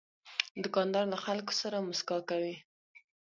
دوکاندار له خلکو سره مسکا کوي.